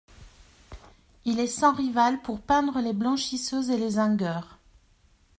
Il est sans rival pour peindre les blanchisseuses et les zingueurs.